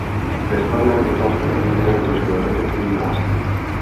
Ve slavném italském klubu zažil raketový nástup.